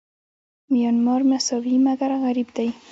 میانمار مساوي مګر غریب دی.